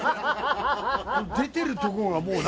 出てるところがもうな。